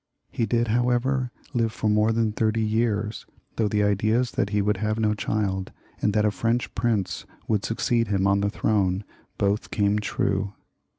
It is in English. He did, however, live for more than thirty years, though the ideas that he would have no child and that a French prince would suc ceed him on the throne both came true.